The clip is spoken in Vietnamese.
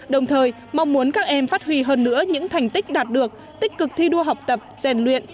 đồng thời mong muốn các em phát huy hơn nữa những thành tích đạt được tích cực thi đua học tập rèn luyện